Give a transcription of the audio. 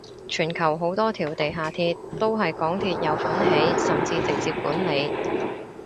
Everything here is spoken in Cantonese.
全球好多條地下鐵都係港鐵有份起甚至直接管理